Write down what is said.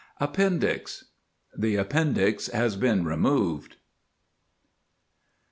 APPENDIX The Appendix has been removed.